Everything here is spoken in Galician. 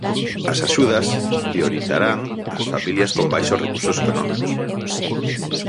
As axudas priorizarán ás familias con baixos recursos económicos.